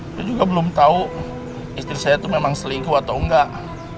saya juga belum tau istri saya tuh memang selingkuh atau enggak